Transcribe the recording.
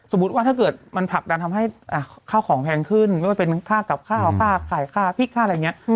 ว่าถ้าเกิดมันผลักดันทำให้ข้าวของแพงขึ้นไม่ว่าเป็นค่ากับข้าวค่าขายค่าพริกค่าอะไรอย่างนี้